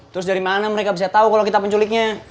terus dari mana mereka bisa tau kalo kita penculiknya